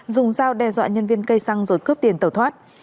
dùng dao đe dọa nhân viên cây xăng rồi cướp tiền tẩu thoát